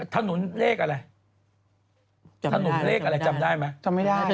ถนนเลขอะไรถนนเลขอะไรอ่ะจำนึยมั๊ย